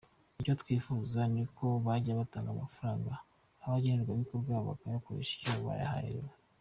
Icyo twifuza ni uko bajya batanga amafaranga abagenerwabikorwa bakayakoresha icyo bayaherewe".